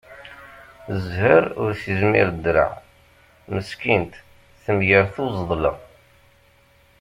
Zher ur s-izmir ddreɛ, meskint temger tuẓedla.